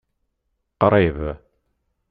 Qṛib.